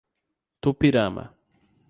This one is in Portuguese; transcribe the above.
Tupirama